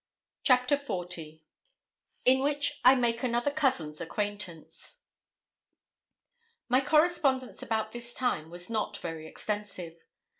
CHAPTER XL IN WHICH I MAKE ANOTHER COUSIN'S ACQUAINTANCE My correspondence about this time was not very extensive.